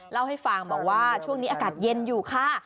เล่าให้ฟังบอกว่าช่วงนี้อากาศเย็นอยู่ค่ะ